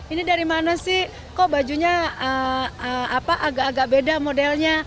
ini dari mana sih kok bajunya agak agak beda modelnya